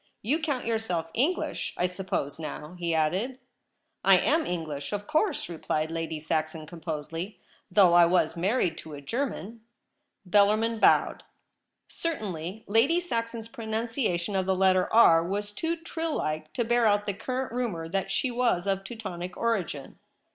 You count yourself English, I suppose, now ?' he added. ' I am English, of course,' replied Lady Saxon composedly, ' though I was married to a German.' Bellarmin bowed. Certainly Lady Saxon's pronunciation of the letter ' r ' was too trill like to bear out the current rumour that she was of Teutonic origin.